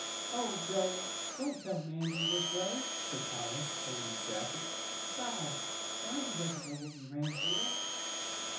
"Oh, Joel, don't tell Mamsie this way," said Polly, pulling his jacket. "Besides, Phronsie doesn't know what we ran for."